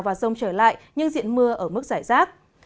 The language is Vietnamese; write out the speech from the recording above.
và rông trở lại nhưng diện mưa ở mức giải rác